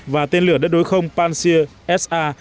và tên lửa đất đối không pansir sa